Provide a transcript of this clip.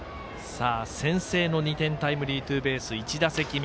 先制の２点タイムリーツーベース、１打席目。